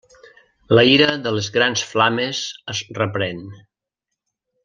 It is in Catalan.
La ira de les grans flames es reprèn.